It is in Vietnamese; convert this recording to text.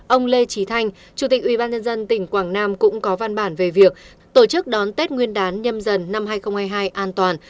ông lê trí thanh chủ tịch ủy ban nhân dân tỉnh quảng nam cũng có văn bản về việc tổ chức đón tết nguyên đán nhâm dần năm hai nghìn hai mươi hai an toàn